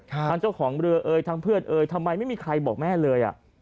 ทางเจ้าของเรือทางเพื่อนทำไมไม่มีใครบอกแม่เลย